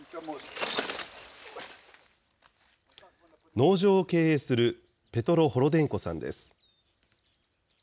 農場を経営するペトロ・ホロデンコさんです。